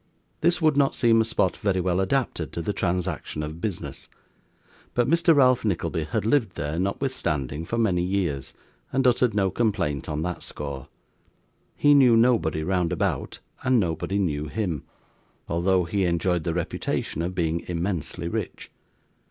This would not seem a spot very well adapted to the transaction of business; but Mr. Ralph Nickleby had lived there, notwithstanding, for many years, and uttered no complaint on that score. He knew nobody round about, and nobody knew him, although he enjoyed the reputation of being immensely rich.